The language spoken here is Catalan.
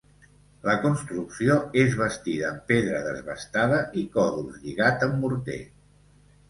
La construcció és bastida amb pedra desbastada i còdols, lligat amb morter.